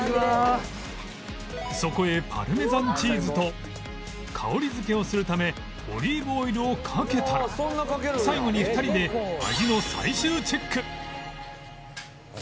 そこへパルメザンチーズと香り付けをするためオリーブオイルをかけたら最後に２人で味の最終チェック